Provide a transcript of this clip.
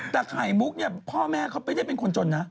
แต่ไข่มุกเนี่ยพ่อแม่เขาไม่ได้เป็นคนจนนะ